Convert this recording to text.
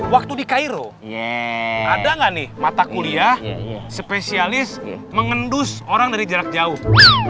waktu di cairo ada nggak nih mata kuliah spesialis mengendus orang dari jarak jauh